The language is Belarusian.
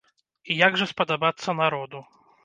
І як жа спадабацца народу?